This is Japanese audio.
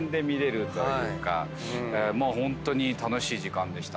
もうホントに楽しい時間でした。